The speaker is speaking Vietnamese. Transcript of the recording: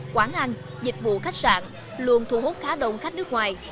quán ăn dịch vụ khách sạn luôn thu hút khá đông khách nước ngoài